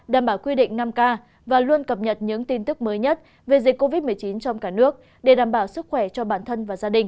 đảm bảo quy định năm k và luôn cập nhật những tin tức mới nhất về dịch covid một mươi chín trong cả nước để đảm bảo sức khỏe cho bản thân và gia đình